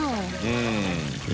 うん。